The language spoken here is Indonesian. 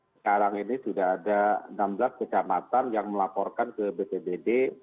sekarang ini sudah ada enam belas kecamatan yang melaporkan ke bpbd